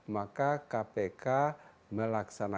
maka kpk melaksanakan